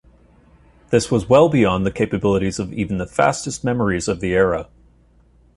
This was well beyond the capabilities of even the fastest memories of the era.